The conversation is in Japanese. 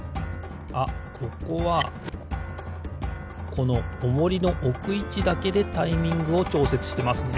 あここはこのオモリのおくいちだけでタイミングをちょうせつしてますね。